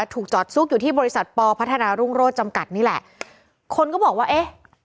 ถูกจอดซุกอยู่ที่บริษัทปพัฒนารุ่งโรศจำกัดนี่แหละคนก็บอกว่าเอ๊ะ